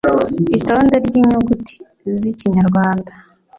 itonde ry’inyuguti z’ikinyarwanda